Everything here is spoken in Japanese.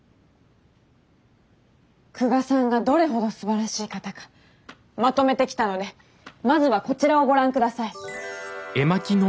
久我さんがどれほどすばらしい方かまとめてきたのでまずはこちらをご覧下さい。